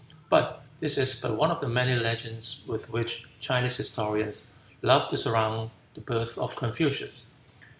But this is but one of the many legends with which Chinese historians love to surround the birth of Confucius.